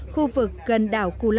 khu vực gần đảo cú lao tràm